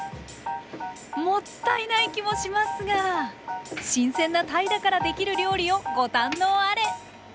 もったいない気もしますが新鮮なタイだからできる料理をご堪能あれ！